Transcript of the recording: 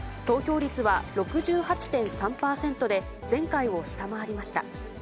投票率は６８．３％で、前回を下回りました。